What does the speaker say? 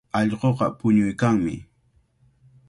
Allquqa puñuykanmi.